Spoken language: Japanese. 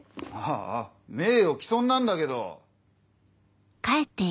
ああ名誉毀損なんだけど！